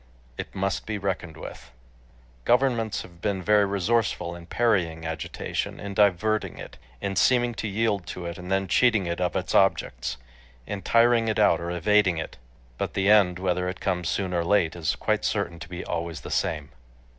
It must be reckoned with .... Governments have been very resourceful in parrying agitation, in diverting it, in seeming to yield to it, and then cheating it of its objects, in tiring it out or evading it .... But the end, whether it comes soon or late, is quite certain to be always the same.